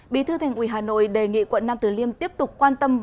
bí thư thành ủy hà nội đề nghị quận nam tử liêm tiếp tục quan tâm